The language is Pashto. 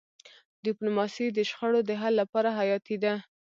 ډيپلوماسي د شخړو د حل لپاره حیاتي ده.